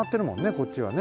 こっちはね。